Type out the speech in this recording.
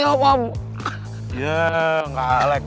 idays lainnya kok